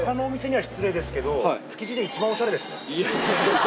はい。